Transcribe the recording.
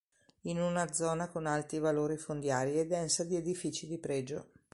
In una zona con alti valori fondiari e densa di edifici di pregio.